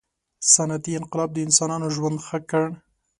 • صنعتي انقلاب د انسانانو ژوند ښه کړ.